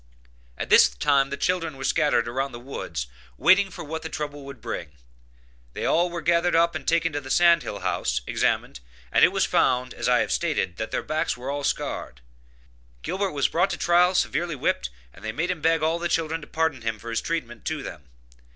At this time the children were scattered around in the woods, waiting for what the trouble would bring; They all were gathered up and taken to the sand hill house, examined, and it was found, as I have stated, that their backs were all scarred. Gilbert was brought to trial, severely whipped, and they made him beg all the children to pardon him for his treatment to them.